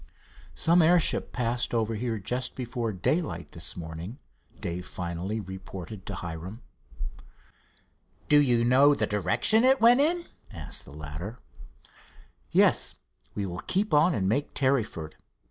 "Some airship passed over here just before daylight this morning," Dave finally reported to Hiram. "Do you know the direction it went in?" asked the latter. "Yes. We will keep on and make Tarryford.